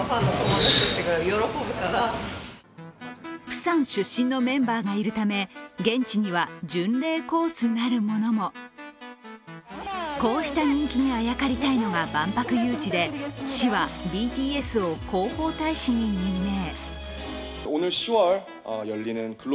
プサン出身のメンバーがいるため、現地には巡礼コースなるものもこうした人気にあやかりたいのが万博誘致で市はＢＴＳを広報大使に任命。